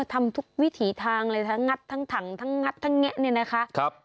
ทำทุกวิถีทางเลยทั้งงัดทั้งถังทั้งงัดทั้งแงะเนี่ยนะคะ